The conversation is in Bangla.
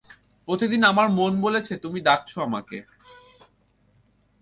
প্রতিদিন আমার মন বলেছে তুমি ডাকছ আমাকে।